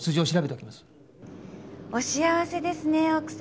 お幸せですね奥様。